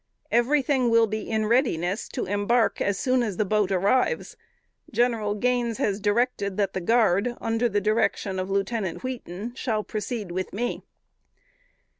Everything will be in readiness to embark soon as the boat arrives. General Gaines has directed that the guard under the direction of Lieutenant Wheaton shall proceed with me."